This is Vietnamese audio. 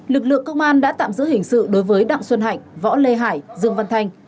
lực lượng công an đã tạm giữ hình sự đối với đặng xuân hạnh võ lê hải dương văn thanh